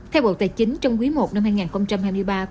theo bộ tài chính trong quý i năm hai nghìn hai mươi ba